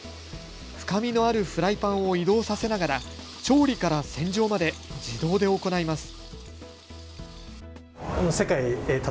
深みのあるフライパンを移動させながら調理から洗浄まで自動で行います。